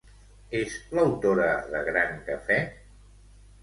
És l'autora de Gran Cafè?